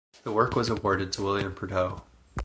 The work was awarded to William Prudhoe.